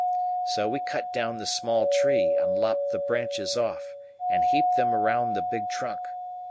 So we cut down the small tree and lopped the branches off and heaped them round the big trunk.